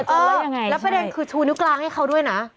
เออยังไงแล้วประเด็นคือชูนิ้วกลางให้เขาด้วยนะ